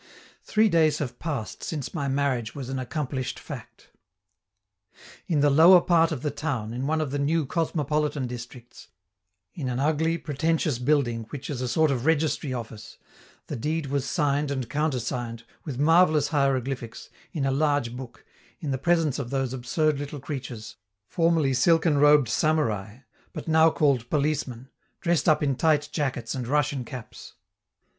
Three days have passed since my marriage was an accomplished fact. In the lower part of the town, in one of the new cosmopolitan districts, in an ugly, pretentious building, which is a sort of registry office, the deed was signed and countersigned, with marvellous hieroglyphics, in a large book, in the presence of those absurd little creatures, formerly silken robed Samurai, but now called policemen, dressed up in tight jackets and Russian caps.